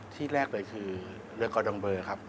ที่แรกเลยคือเรือกอดองเบอร์ครับ